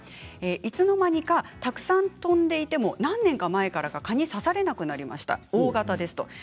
いつの間にかたくさん飛んでいても、何年か前から蚊に刺されなくなりました。